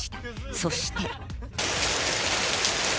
そして。